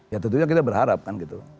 ya tentunya kita berharap kan gitu